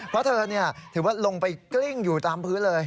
เพราะเธอถือว่าลงไปกลิ้งอยู่ตามพื้นเลย